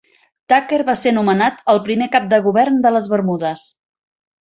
Tucker va ser nomenat el primer cap de govern de les Bermudes.